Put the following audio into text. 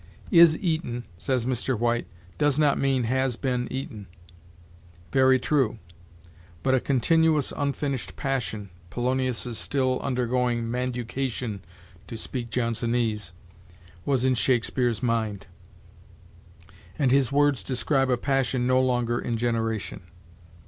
'Is eaten,' says Mr. White, 'does not mean has been eaten.' Very true; but a continuous unfinished passion Polonius's still undergoing manducation, to speak Johnsonese was in Shakespeare's mind; and his words describe a passion no longer in generation.